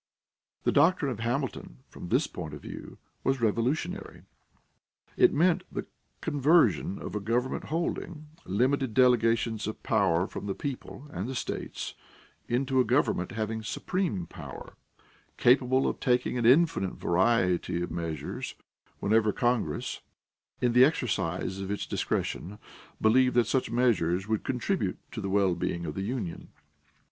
The doctrine of Hamilton, from this point of view, was revolutionary. It meant the conversion of a government holding limited delegations of power from the people and the states into a government having supreme power, capable of taking an infinite variety of measures whenever Congress, in the exercise of its discretion, believed that such measures would contribute to the well being of the Union.